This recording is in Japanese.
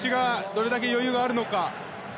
どれぐらい余裕があるのか。